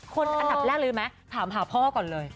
คนอันดับแรกลืมไหมถามหาพ่อก่อนเลย